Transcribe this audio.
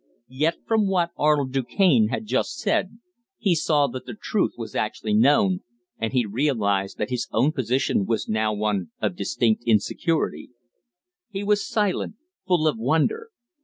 Yet, from what Arnold Du Cane had just said, he saw that the truth was actually known, and he realized that his own position was now one of distinct insecurity. He was silent, full of wonder.